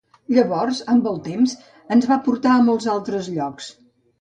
Llavors, amb el temps, ens va portar a molts altres llocs.